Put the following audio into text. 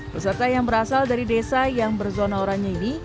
peserta yang berasal dari desa yang berzona oranye ini